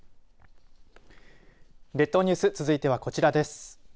列島ニュース続いてはこちらです。